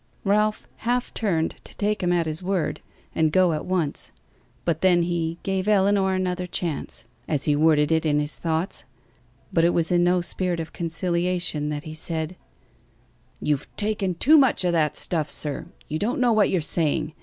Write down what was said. Ralph half turned to take him at his word, and go at once; but then he "gave Ellinor another chance," as he worded it in his thoughts; but it was in no spirit of conciliation that he said: "You've taken too much of that stuff, sir. You don't know what you're saying.